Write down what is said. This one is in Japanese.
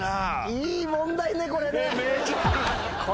いい問題ねこれね。